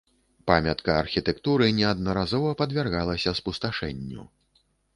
Памятка архітэктуры неаднаразова падвяргалася спусташэнню.